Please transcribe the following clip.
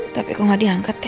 tapi kok gak diangkat ya